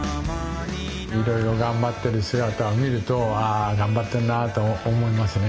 いろいろ頑張ってる姿を見るとああ頑張ってるなあと思いますね。